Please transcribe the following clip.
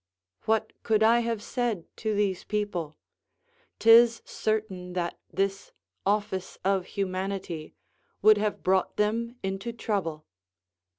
What could I have said to these people? 'Tis certain that this office of humanity would have brought them into trouble.